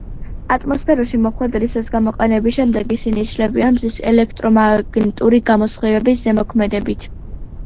ატმოსფეროში მოხვედრისას გამოყენების შემდეგ, ისინი იშლებიან მზის ელექტრომაგნიტური გამოსხივების ზემოქმედებით.